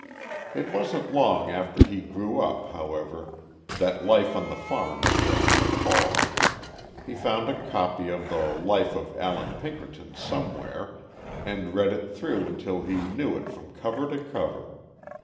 It wasn't long after he grew up, however, that life on the farm began to pall. He found a copy of the life of Alan Pinkerton somewhere and read it through until he knew it from cover to cover.